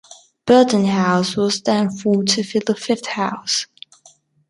Burden House was then formed to fill the fifth house.